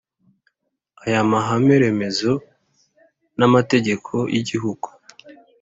Aya Mahame Remezo N Amategeko Y Igihugu